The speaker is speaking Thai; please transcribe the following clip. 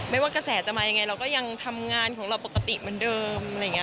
ไม่ว่ากระแสจะมายังไงเราก็ยังทำงานของเราปกติเหมือนเดิม